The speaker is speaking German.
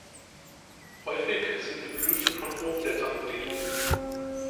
Häufig sind die Blüten von Hochblättern umgeben.